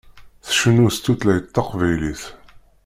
Tcennu s tutlayt taqbaylit.